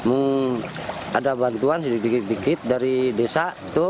hmm ada bantuan sedikit dikit dari desa